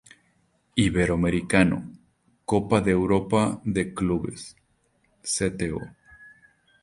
Iberoamericano, Copa de Europa de Clubes, Cto.